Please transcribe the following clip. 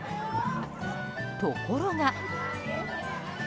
ところが。